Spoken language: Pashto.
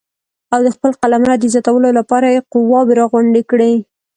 او د خپل قلمرو د زیاتولو لپاره یې قواوې راغونډې کړې.